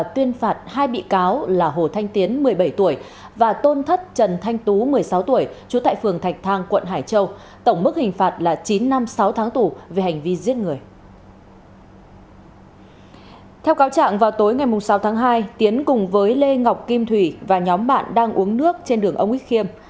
theo cáo trạng vào tối ngày sáu tháng hai tiến cùng với lê ngọc kim thủy và nhóm bạn đang uống nước trên đường ông ích khiêm